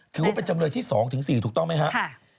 ถือว่าเป็นจำเลยที่๒๔ถูกต้องไหมครับ